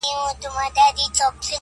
• تا ته اوس هم شرابونه قمارونه -